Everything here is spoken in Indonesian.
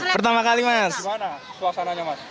pertama kali mas gimana suasananya mas